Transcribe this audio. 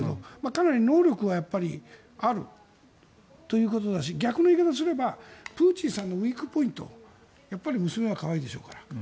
かなり能力はあるということだし逆の言い方をすればプーチンさんのウィークポイントやっぱり娘は可愛いでしょうから。